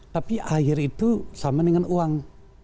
tapi air itu sama dengan uang